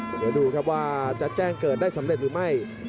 เดี๋ยวดูครับว่าจะแจ้งเกิดได้สำเร็จหรือไม่